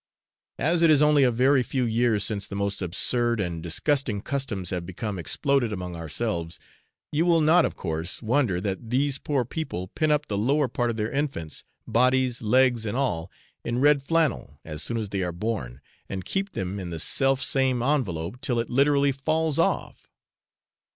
As it is only a very few years since the most absurd and disgusting customs have become exploded among ourselves, you will not, of course, wonder that these poor people pin up the lower part of their infants, bodies, legs and all, in red flannel as soon as they are born, and keep them in the selfsame envelope till it literally falls off.